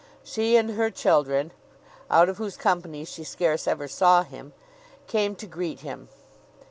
She and her children (out of whose company she scarce ever saw him) came to greet him.